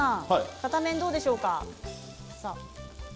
片面どうでしょうか。